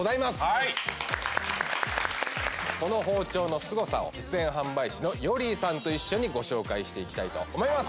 はいこの包丁のすごさを実演販売士のヨリーさんと一緒にご紹介していきたいと思います